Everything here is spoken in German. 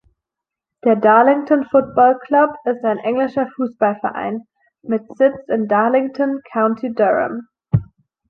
Der Darlington Football Club ist ein englischer Fußballverein mit Sitz in Darlington, County Durham.